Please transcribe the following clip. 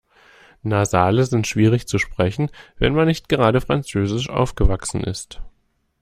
Nasale sind schwierig zu sprechen, wenn man nicht gerade französisch aufgewachsen ist.